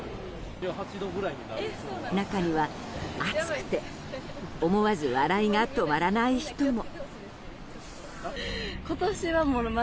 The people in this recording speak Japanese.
中には、暑くて思わず笑いが止まらない人も。